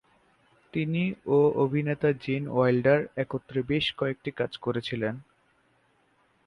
তিনি ও অভিনেতা জিন ওয়াইল্ডার একত্রে বেশ কয়েকটি কাজ করেছিলেন।